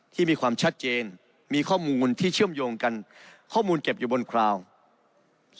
มีความชัดเจนมีข้อมูลที่เชื่อมโยงกันข้อมูลเก็บอยู่บนคราว